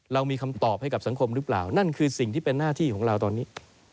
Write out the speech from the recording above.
เรามีคำตอบให้กับสังคมหรือเปล่านั่นคือสิ่งที่เป็นหน้าที่ของเราตอนนี้